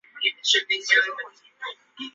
各州除罗德岛外都同意委派代表与会。